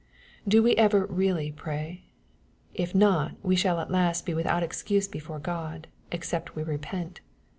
Do we over really pray ? If not, we shall at last be without excuse before God, except we repent.